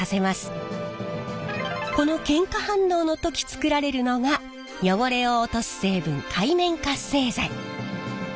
このけん化反応の時作られるのが汚れを落とす成分界面活性剤。